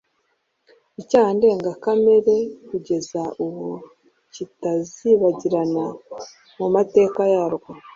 icyaha ndengakamere kugeza ubu kitazibagirana mu mateka yarwo